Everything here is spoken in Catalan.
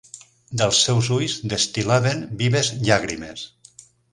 Dels seus ulls destil·laven vives llàgrimes.